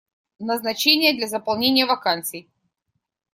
Назначения для заполнения вакансий.